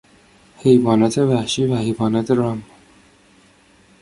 حیوانات وحشی و حیوانات رام